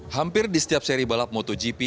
hampir di setiap seri balap motogp